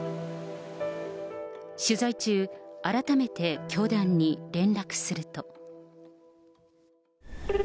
取材中、改めて教団に連絡すると。